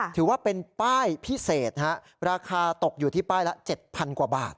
ถือว่าเป็นป้ายพิเศษราคาตกอยู่ที่ป้ายละ๗๐๐กว่าบาท